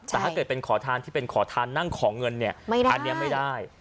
แต่ถ้าเกิดเป็นขอทานที่เป็นขอทานนั่งขอเงินเนี่ยอันนี้ไม่ได้